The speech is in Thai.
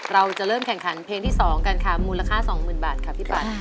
เราจะเริ่มแข่งขันเพลงที่๒กันค่ะมูลค่า๒๐๐๐บาทค่ะพี่ปั่น